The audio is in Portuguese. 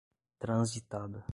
Transitada